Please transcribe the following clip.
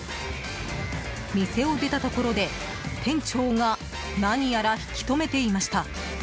店を出たところで、店長が何やら引き留めていました。